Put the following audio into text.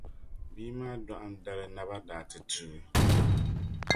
bia maa dɔɣim dali naba daa ti tuui.